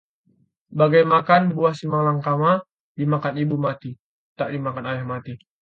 Bagai makan buah simalakama, dimakan ibu mati, tak dimakan ayah mati